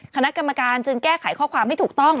คณะกรรมการจึงแก้ไขข้อความให้ถูกต้อง